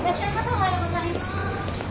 おはようございます。